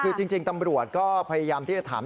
คือจริงตำรวจก็พยายามที่จะถาม